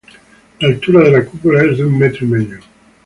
La altura de la cúpula es de un metro y medio.